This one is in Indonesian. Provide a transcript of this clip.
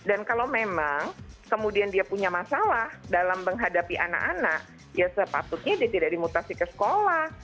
dan kalau memang kemudian dia punya masalah dalam menghadapi anak anak ya sepatutnya dia tidak dimutasi ke sekolah